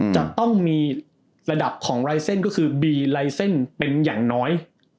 จะต้องมีระดับของคือเป็นอย่างน้อย